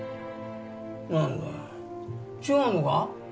何だよ違うのか？